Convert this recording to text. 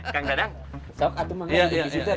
kang dadang sok atu mau ngantuk di situ atuh kang